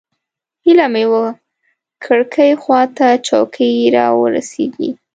هیله مې وه کړکۍ خوا ته چوکۍ راورسېږي.